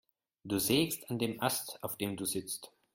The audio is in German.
Du sägst an dem Ast, auf dem du sitzt.